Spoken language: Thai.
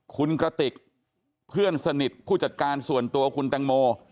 คุณกระติกเพื่อนสนิทผู้จัดการส่วนตัวคุณแตงโม